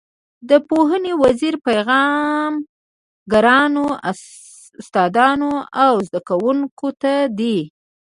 د پوهنې د وزیر پیغام ګرانو استادانو او زده کوونکو ته دی.